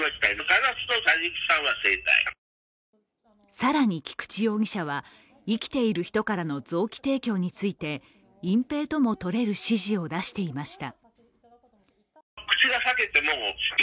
更に菊池容疑者は生きている人からの臓器提供について隠蔽ともとれる指示を出していました。